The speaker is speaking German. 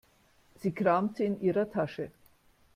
Sie kramte in ihrer Tasche.